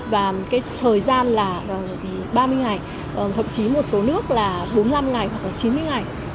và cái thời gian là ba mươi ngày thậm chí một số nước là bốn mươi năm ngày hoặc là chín mươi ngày